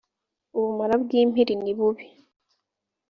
ubumara bw impiri ni bubi